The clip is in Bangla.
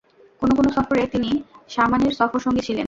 কোন কোন সফরে তিনি সামআনীর সফরসঙ্গী ছিলেন।